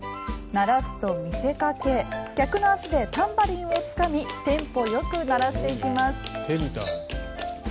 鳴らすと見せかけ逆の足でタンバリンをつかみテンポよく鳴らしていきます。